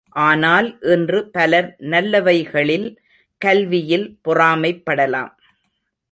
ஆனால் இன்று பலர் நல்லவைகளில் கல்வியில் பொறாமைப்படலாம்.